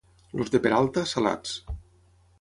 Els de Peralta, salats.